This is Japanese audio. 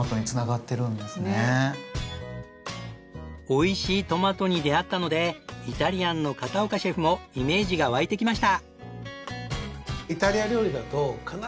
おいしいトマトに出会ったのでイタリアンの片岡シェフもイメージが湧いてきました。